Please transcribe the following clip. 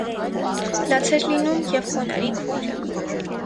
Լաց էր լինում և Խոնարհի քույրը: